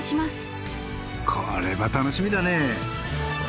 これは楽しみだね！